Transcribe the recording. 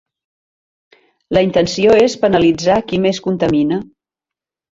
La intenció és penalitzar qui més contamina.